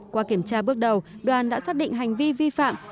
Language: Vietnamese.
qua kiểm tra bước đầu đoàn đã xác định hành vi vi phạm